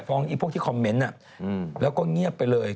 พวกที่คอมเมนต์แล้วก็เงียบไปเลย